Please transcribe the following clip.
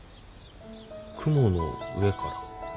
雲の上から？